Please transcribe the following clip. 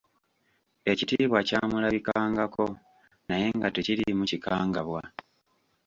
Ekitiibwa kyamulabikangako, naye nga tekiriimu kikangabwa.